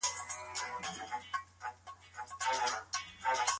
علمي کتابونه بايد جذابه وي.